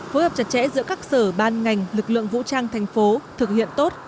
phối hợp chặt chẽ giữa các sở ban ngành lực lượng vũ trang thành phố thực hiện tốt